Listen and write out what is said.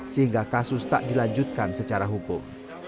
sehingga kasus tak dilanjutkan secara hukum